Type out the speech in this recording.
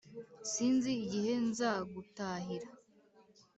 Sinzi igihe nza gutahira